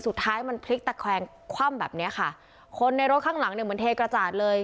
สุดท้ายมันพลิกตะแควงคว่ำแบบเนี้ยค่ะคนในรถข้างหลังเนี่ยเหมือนเทกระจาดเลย